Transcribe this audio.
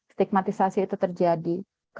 stigmatisasi itu terjadi